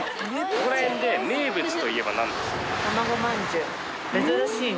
ここら辺で名物といえばなんですか？